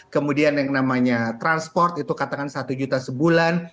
kemudian yang namanya transport itu katakan satu juta sebulan